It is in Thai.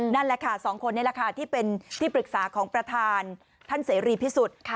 นั่นแหละค่ะสองคนนี้แหละค่ะที่เป็นที่ปรึกษาของประธานท่านเสรีพิสุทธิ์